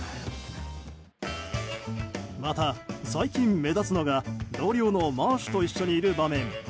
また、最近目立つのが同僚のマーシュと一緒にいる場面。